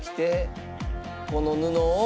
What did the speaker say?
この布を。